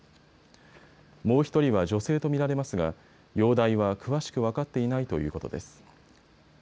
もう１人は女性と見られますが容体は詳しく分かっていないということです。